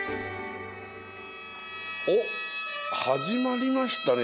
おっ始まりましたね